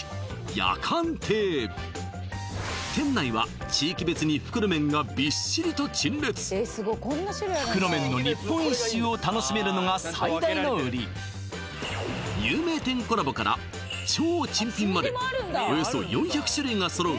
やかん亭店内は地域別に袋麺がびっしりと陳列のが最大のウリ有名店コラボから超珍品までおよそ４００種類が揃う